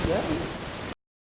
saya tidak mau kata surut